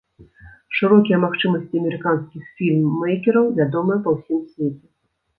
Шырокія магчымасці амерыканскіх фільм-мэйкераў вядомыя па ўсім свеце.